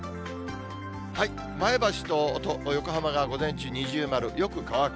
前橋と横浜が午前中二重丸、よく乾く。